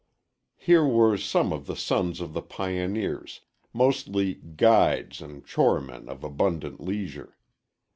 Here were some of the sons of the pioneers mostly "guides" and choremen of abundant leisure.